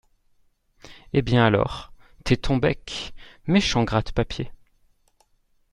Eh bien, alors… tais ton bec, méchant gratte-papier !